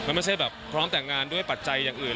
มันไม่ใช่แบบพร้อมแต่งงานด้วยปัจจัยอย่างอื่น